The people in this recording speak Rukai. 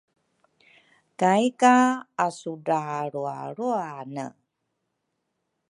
Kaika asudralrualruane